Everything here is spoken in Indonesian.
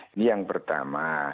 ini yang pertama